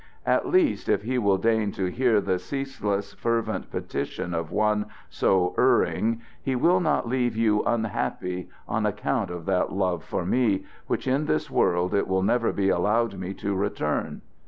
At least, if he will deign to hear the ceaseless, fervent petition of one so erring, he will not leave you unhappy on account of that love for me, which in this world it will never be allowed me to return.